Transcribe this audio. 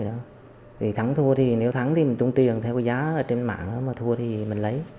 nếu thắng thì mình trung tiền theo giá trên mạng mà thua thì mình lấy